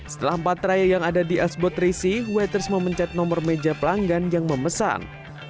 setelah empat raya yang ada di sboard terisi waters memencet nomor meja pelanggan yang memesan